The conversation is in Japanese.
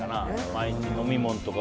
毎日、飲み物とか。